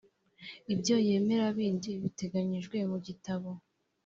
ibyo yemera bindi bitateganyijwe mu gitabo